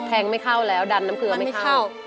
งไม่เข้าแล้วดันน้ำเกลือไม่เข้า